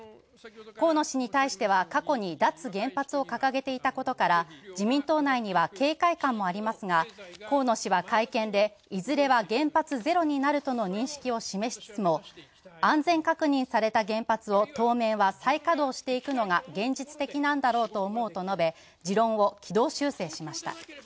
河野氏に対しては、過去に脱原発を掲げていたことから、自民党内には警戒感もありますが河野氏は会見で、いずれは原発ゼロになるとの認識を示しつつも、安全確認された原発を、当面は再稼働していくのが現実的なんだろうと思うと述べ、持論を軌道修正しました。